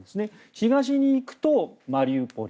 東に行くと、マリウポリ。